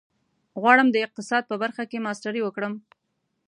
غواړم د اقتصاد په برخه کې ماسټري وکړم.